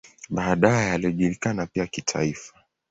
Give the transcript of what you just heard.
Baadaye alijulikana pia kitaifa.